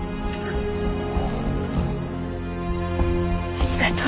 ありがとう。